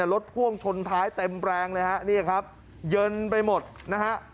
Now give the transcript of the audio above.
รถพ่วงชนท้ายเต็มแรงเลยฮะนี่ครับเยินไปหมดนะฮะ